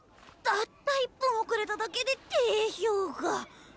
たった１分遅れただけで低評価。